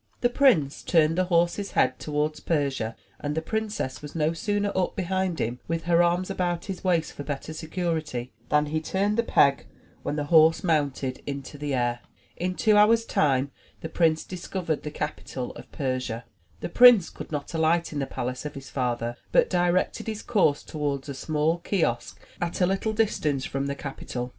The prince turned the horse's head towards Persia, and the princess was no sooner up behind him with her arms about his waist for better security, than he turned the peg, when the horse mounted into the air. In two hours' time, the prince discovered the capital of Persia. The prince would not alight in the palace of his father, but directed his course toward a small kiosk at a little distance from the capital.